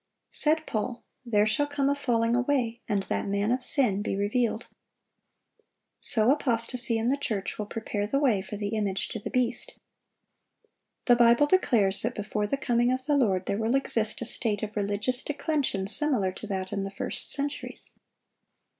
Said Paul, "There" shall "come a falling away, ... and that man of sin be revealed."(744) So apostasy in the church will prepare the way for the image to the beast. The Bible declares that before the coming of the Lord there will exist a state of religious declension similar to that in the first centuries.